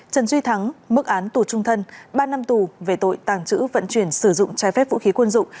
trần duy thắng mức án tù trung thân ba năm tù về tội tàng trữ vận chuyển sử dụng trái phép vũ khí quân dụng